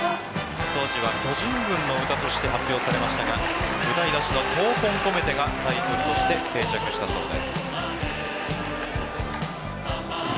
当時は「巨人軍の歌」として発表されましたが歌い出しの闘魂こめてがタイトルとして定着したそうです。